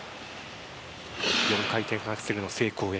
４回転アクセルの成功へ。